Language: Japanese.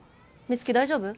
美月大丈夫？